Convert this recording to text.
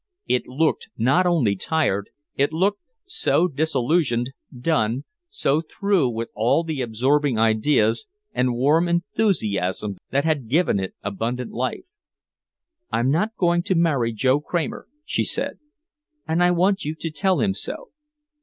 It looked not only tired, it looked so disillusioned, done, so through with all the absorbing ideas and warm enthusiasms that had given it abundant life. "I'm not going to marry Joe Kramer," she said. "And I want you to tell him so."